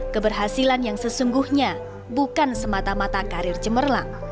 keberhasilan yang sesungguhnya bukan semata mata karir cemerlang